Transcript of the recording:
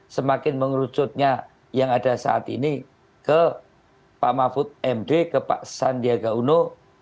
semakin mengerucutnya yang ada saat ini ke pak mahfud md ke pak sandiaga uno